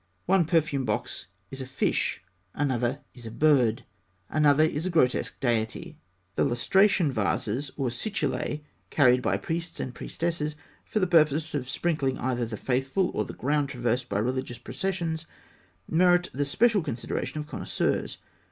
One perfume box is a fish, another is a bird, another is a grotesque deity. The lustration vases, or situlae, carried by priests and priestesses for the purpose of sprinkling either the faithful, or the ground traversed by religious processions, merit the special consideration of connoisseurs.